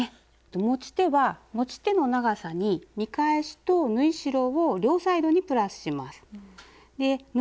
持ち手は持ち手の長さに見返しと縫い代を両サイドにプラスします。